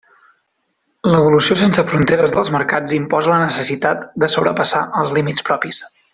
L'evolució sense fronteres dels mercats imposa la necessitat de sobrepassar els límits propis.